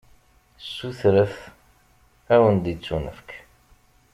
Sutret, ad wen-d-ittunefk.